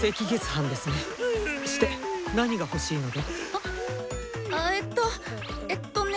あ！あえっとえっとね。